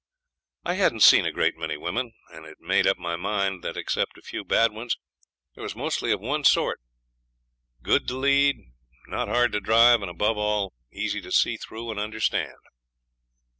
I hadn't seen a great many women, and had made up my mind that, except a few bad ones, they was mostly of one sort good to lead, not hard to drive, and, above all, easy to see through and understand.